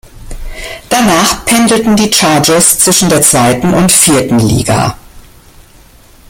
Danach pendelten die Chargers zwischen der zweiten und vierten Liga.